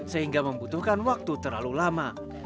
sehingga membutuhkan waktu terlalu lama